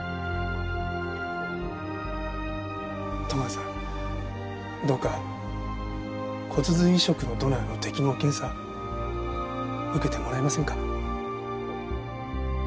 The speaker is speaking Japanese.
戸川さんどうか骨髄移植のドナーの適合検査受けてもらえませんか？